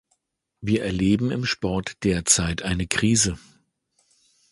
Wir erleben im Sport derzeit eine Krise.